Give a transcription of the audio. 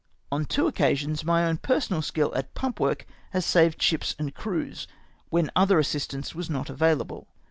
On two occasions my own personal skill at pump work has saved ships and crews when other assistance was not available.